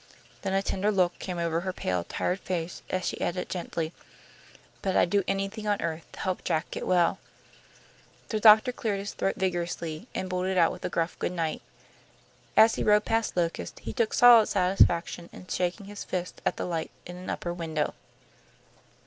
Then a tender look came over her pale, tired face, as she added, gently, "But I'd do anything on earth to help Jack get well." The doctor cleared his throat vigorously, and bolted out with a gruff good night. As he rode past Locust, he took solid satisfaction in shaking his fist at the light in an upper window.